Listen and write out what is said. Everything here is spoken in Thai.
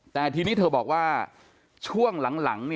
แต่ทีนี้เธอบอกว่าช่วงหลัง